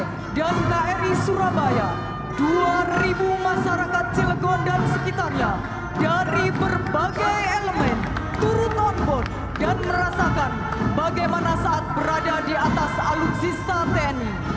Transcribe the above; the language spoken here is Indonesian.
tni dan kri surabaya dua ribu masyarakat cilegon dan sekitarnya dari berbagai elemen turut non bon dan merasakan bagaimana saat berada di atas alutsista tni